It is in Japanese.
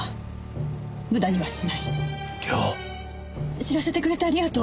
知らせてくれてありがとう。